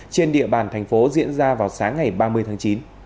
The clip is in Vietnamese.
trên địa bàn thành phố diễn ra vào sáng ngày ba mươi tháng chín